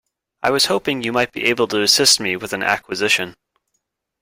I was hoping you might be able to assist me with an acquisition.